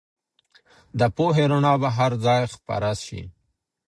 د پوهې رڼا به هر ځای خپره سي.